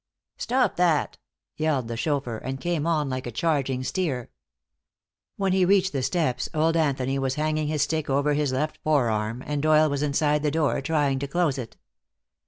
"Stop that!" yelled the chauffeur, and came on like a charging steer. When he reached the steps old Anthony was hanging his stick over his left forearm, and Doyle was inside the door, trying to close it.